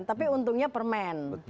tapi untungnya permen